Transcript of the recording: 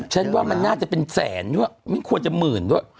ฉันว่ามันน่าจะเป็นแสนด้วยไม่ควรจะหมื่นด้วย